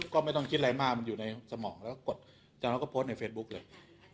ก็ไม่ต้องคิดอะไรมากมันอยู่ในสมองแล้วก็กดจากนั้นก็โพสต์ในเฟซบุ๊กเลย